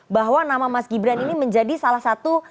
bahwa nama mas gibran ini menjadi salah satu